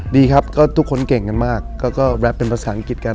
ดีครับก็ทุกคนเก่งกันมากก็แรปเป็นภาษาอังกฤษกัน